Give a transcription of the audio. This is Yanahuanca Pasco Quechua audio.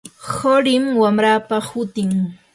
qurim wamrapa hutin.